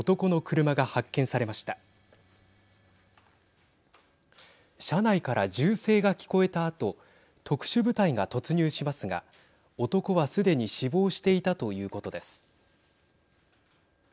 車内から銃声が聞こえたあと特殊部隊が突入しますが男は、すでに死亡していたということです。